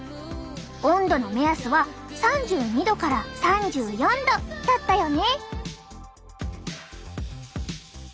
温度の目安は３２℃から３４℃だったよね。